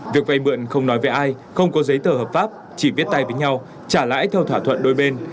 việc vay mượn không nói về ai không có giấy tờ hợp pháp chỉ viết tay với nhau trả lãi theo thỏa thuận đôi bên